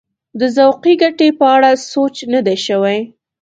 د ذوقي ګټې په اړه سوچ نه دی شوی.